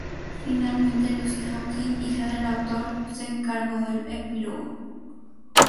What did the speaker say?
Finalmente, Lucy Hawking, hija del autor, se encargó del epílogo.